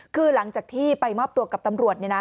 คือหลังจากที่ไปมอบตัวกับตำรวจ